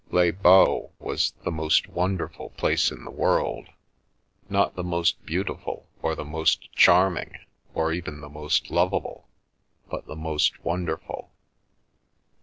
Les Baux is the most wonderful place in the world. Not the most beautiful, or the most charming, or even the most lovable, but the most wonderful.